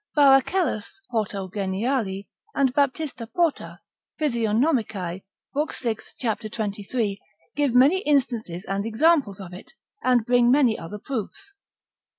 Baracellus Horto geniali, and Baptista Porta Physiognomicae, lib. 6. cap. 23, give many instances and examples of it, and bring many other proofs.